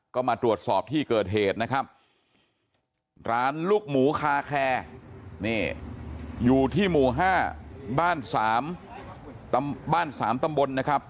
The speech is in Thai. ก็มาตรวจสอบที่เกิดเหตุนะครับร้านลูกหมูคาแคร์นี่อยู่ที่หมู่๕บ้าน๓บ้าน๓ตำบลนะครับ